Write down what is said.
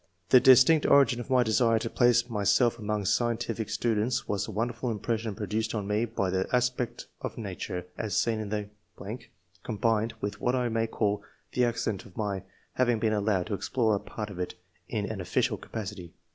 The distinct origin of my desire to place myself among scientific students was the wonderful impression produced on me by the aspect of nature, as seen in the .... combined with what I may call the accident of my having been allowed to explore a part of it in an ofl&cial capacity.